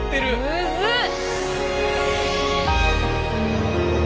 むずっ！